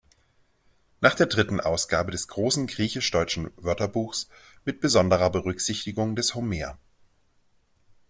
Nach der dritten Ausgabe des großen griechisch-deutschen Wörterbuchs mit besonderer Berücksichtigung des Hom.